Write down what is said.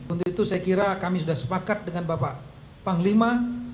untuk itu saya kira kami sudah sepakat dengan bapak panglima